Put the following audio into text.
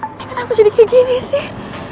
ini kenapa jadi kayak gini sih